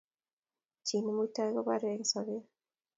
Chii nemuitoi kobore eng sobet